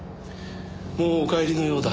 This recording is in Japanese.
もうお帰りのようだ。